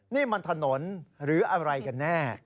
นี่มันถนนหรืออะไรกันแน่